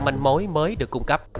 manh mối mới được cung cấp